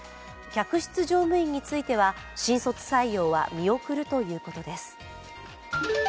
客室乗務員については新卒採用は見送るということです。